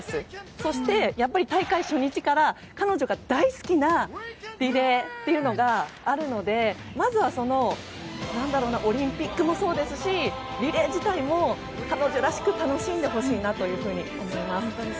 そして、やっぱり大会初日から彼女が大好きなリレーというのがあるのでまずはオリンピックもそうですしリレー自体も彼女らしく楽しんでほしいなと思います。